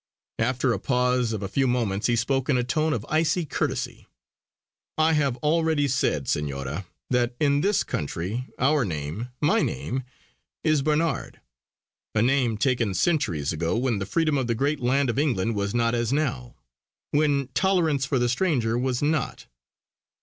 After a pause of a few moments he spoke in a tone of icy courtesy: "I have already said, Senora, that in this country our name my name, is Barnard. A name taken centuries ago when the freedom of the great land of England was not as now; when tolerance for the stranger was not.